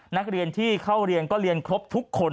นักเรียนที่เข้าเรียนก็เรียนครบทุกคน